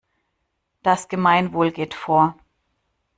Das Gemeinwohl geht vor.